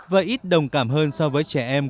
và ít đồng cảm hơn so với trẻ em